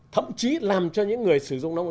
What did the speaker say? thậm chí làm cho những người sử dụng